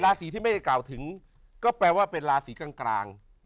ราศีที่ไม่ได้กล่าวถึงก็แปลว่าสีกลาง